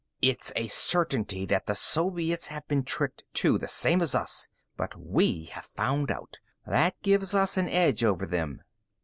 "It's a certainty that the Soviets have been tricked, too, the same as us. But we have found out. That gives us an edge over them."